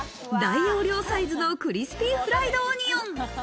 大容量サイズのクリスピーフライドオニオン。